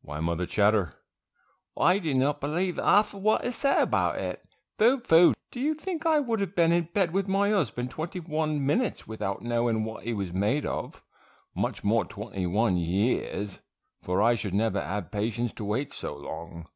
Why, Mother Chatter, I do not believe half what is said about it Pho, pho, do you think I would have been in bed with my husband twenty one minutes without knowing what he was made of, much more twenty one years, for I should never have patience to wait so long.